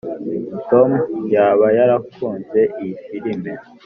tom yaba yarakunze iyi firime.